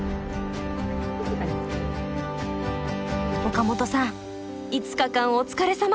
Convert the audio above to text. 岡本さん５日間お疲れさま！